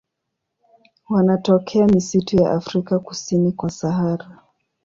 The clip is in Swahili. Wanatokea misitu ya Afrika kusini kwa Sahara.